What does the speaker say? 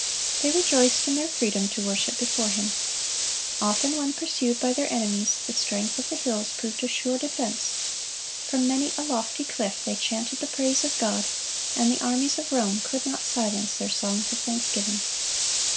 They rejoiced in their freedom to worship before Him. Often when pursued by their enemies, the strength of the hills proved a sure defense. From many a lofty cliff they chanted the praise of God, and the armies of Rome could not silence their songs of thanksgiving.